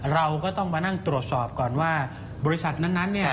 เราก็ต้องตรวจสอบก่อนว่าบริษัทนั้นนั้น